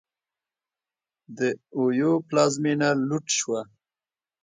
د اویو پلازمېنه لوټ شوه.